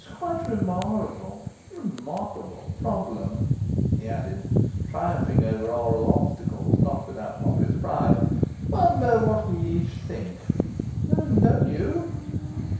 'S quite a remarrable remarkable problem,' he added, triumphing over oral obstacles, not without obvious pride. 'Wonder what we each think don't you?